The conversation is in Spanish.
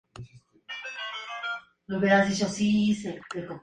Hoover tenía una gran admiración por la ciudad.